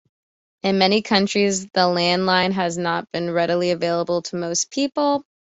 In many countries the landline has not been readily available to most people.